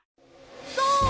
そう！